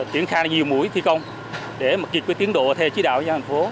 tiến khai nhiều mũi thi công để mà kịp cái tiến độ theo chí đạo nhà thành phố